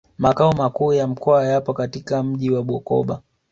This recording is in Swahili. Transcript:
Makao Makuu ya Mkoa yapo katika mji wa Bukoba u